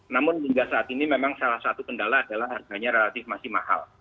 namun hingga saat ini memang salah satu kendala adalah harganya relatif masih mahal